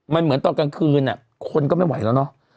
มันเหมือนตอนกลางคืนคนก็ไม่ไหวแล้วเนอะ